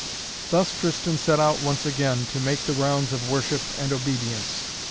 Thus Tristan set out once again, to make the rounds of worship and obedience.